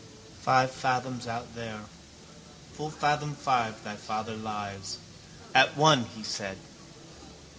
Five fathoms out there. Full fathom five thy father lies. At one, he said.